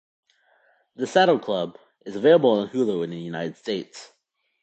"The Saddle Club" is available on Hulu in the United States.